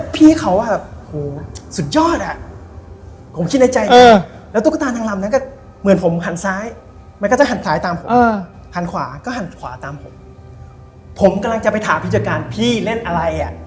เป็นตุ๊กตานางรำตัวใหญ่